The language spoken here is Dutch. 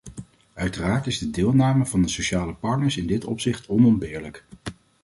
Uiteraard is de deelname van de sociale partners in dit opzicht onontbeerlijk.